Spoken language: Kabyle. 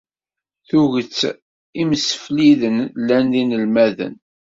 Tuget imsefliden llan d inelmaden.